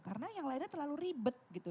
karena yang lainnya terlalu ribet gitu